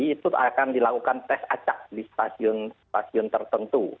itu akan dilakukan tes acak di stasiun stasiun tertentu